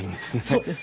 そうです。